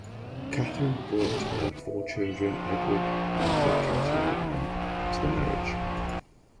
Katherine brought her four children Edward, Arthur, Katherine and Ann to the marriage.